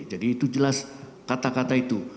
jadi itu jelas kata kata itu